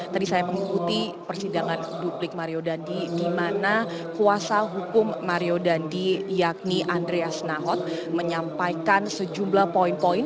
tadi saya mengikuti persidangan duplik mario dandi di mana kuasa hukum mario dandi yakni andreas nahot menyampaikan sejumlah poin poin